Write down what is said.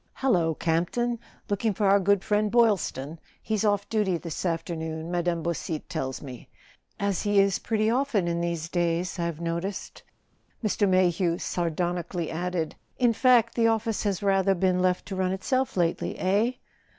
" Hallo, Campton! Looking for our good friend Boylston ? He's off duty this afternoon, Mme. Beausite tells me; as he is pretty often in these days, I've no¬ ticed," Mr. Mayhew sardonically added. " In fact, the office has rather been left to run itself lately—eh?